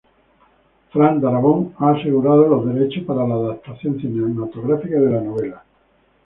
Frank Darabont ha asegurado los derechos para la adaptación cinematográfica de la novela.